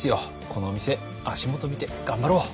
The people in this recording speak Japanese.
このお店足元見て頑張ろう。